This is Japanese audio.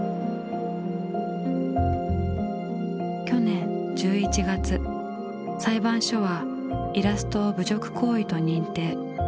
去年１１月裁判所はイラストを侮辱行為と認定。